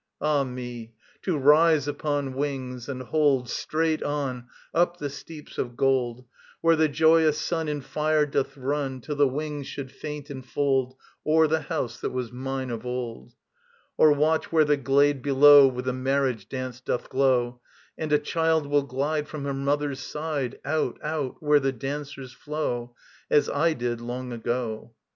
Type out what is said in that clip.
Ah me, [ANTISTROPHE 2.] To rise upon wings and hold Straight on up the steeps of gold Where the joyous Sun in fire doth run, Till the wings should faint and fold O'er the house that was mine of old: Or watch where the glade below With a marriage dance doth glow, And a child will glide from her mother's side Out, out, where the dancers flow: As I did, long ago.